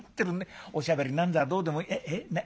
おしゃべりなんぞはどうでもえっえっ？